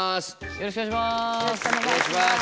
よろしくお願いします。